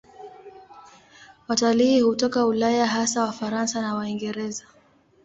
Watalii hutoka Ulaya, hasa Wafaransa na Waingereza.